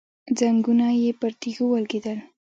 ځنګنونه یې پر تيږو ولګېدل.